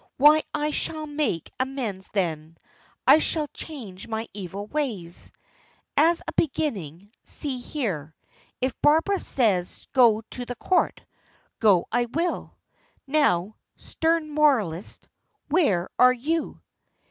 "Why I shall make amends then. I shall change my evil ways. As a beginning, see here. If Barbara says go to the Court, go I will. Now, stern moralist! where are you?"